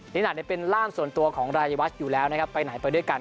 นี่หนักเป็นร่ามส่วนตัวของรายวัชอยู่แล้วนะครับไปไหนไปด้วยกัน